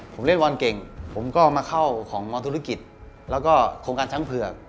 ผมเล่นบอลเก่งผมก็มาเข้าของมธุรกิจแล้วก็โครงการช้างเผือก